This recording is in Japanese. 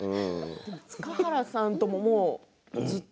塚原さんともずっと。